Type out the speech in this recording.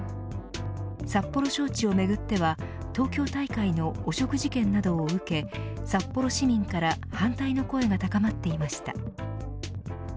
札幌招致をめぐっては東京大会の汚職事件などを受け札幌市民から反対の声が高まっていました。